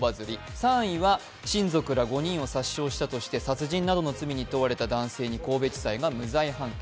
３位は、親族ら５人を殺傷したとして殺人などの罪に問われた男性に神戸地裁が無罪判決。